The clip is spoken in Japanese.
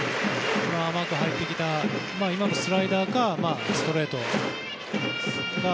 甘く入ってきたスライダーかストレートが